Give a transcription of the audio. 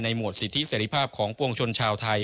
หมวดสิทธิเสร็จภาพของปวงชนชาวไทย